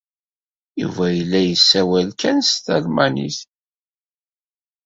Yuba yella yessawal kan s talmanit.